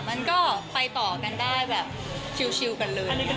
มันก็ไปต่อกันได้แบบชิลกันเลย